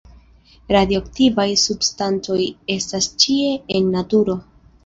Radioaktivaj substancoj estas ĉie en naturo.